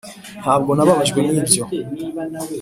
ntabwo nababajwe nibyo.